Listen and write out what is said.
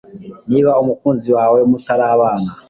Niba umukunzi wawe mutarabana,